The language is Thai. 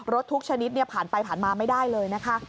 ทุกชนิดผ่านไปผ่านมาไม่ได้เลยนะคะ